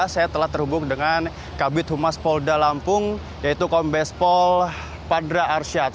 saya telah terhubung dengan kabupaten humas polda lampung yaitu kombespol padra arsyad